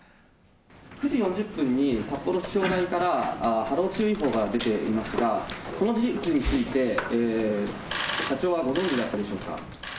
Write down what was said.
９時４０分に札幌気象台から波浪注意報が出ていますが、この事実について、社長はご存じだったでしょうか。